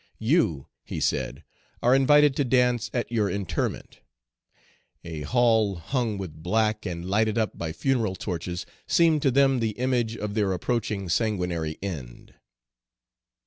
"You," he said, "are invited to dance at your interment." A hall hung with black, and lighted up by funeral torches, seemed to them the image of their approaching sanguinary end.